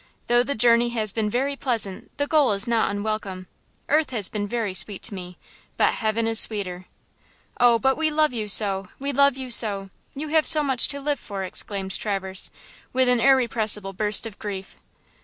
Though the journey has been very pleasant the goal is not unwelcome. Earth has been very sweet to me, but heaven is sweeter." "Oh, but we love you so! we love you so! you have so much to live for!" exclaimed Traverse, with an irrepressible burst of grief.